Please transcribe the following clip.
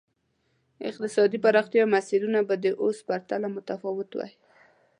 اقتصادي پراختیا مسیرونه به د اوس په پرتله متفاوت وای.